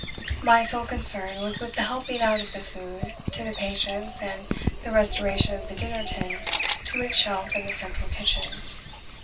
My sole concern was with the helping out of the food to the patients and the restoration of the dinner tin to its shelf in the central kitchen.